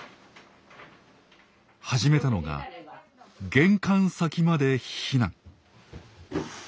始めたのが“玄関先まで避難”。